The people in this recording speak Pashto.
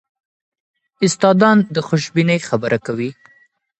استادان د خوشبینۍ خبره کوي.